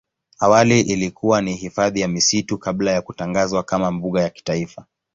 Awali ilikuwa ni hifadhi ya misitu kabla ya kutangazwa kama mbuga ya kitaifa.